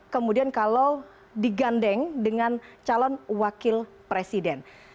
kemudian kalau digandeng dengan calon wakil presiden